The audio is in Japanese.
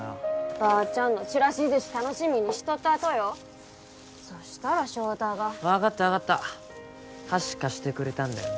ばーちゃんのちらし寿司楽しみにしとったとよそしたら翔太が分かった分かった箸貸してくれたんだよね